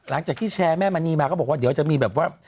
หลังจากที่แชร์แม่มันนีมาก็บอกว่าเดี๋ยวจะมีแบบว่า